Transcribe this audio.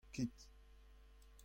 kit.